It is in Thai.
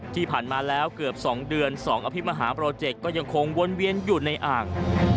ที่ผ่านมาแล้วเกือบ๒เดือน๒อภิมหาโปรเจกต์ก็ยังคงวนเวียนอยู่ในอ่าง